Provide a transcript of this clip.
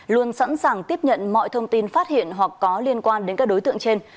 luôn sẵn sàng tiếp nhận mọi thông tin phát hiện hoặc có liên quan đến các đối tượng trên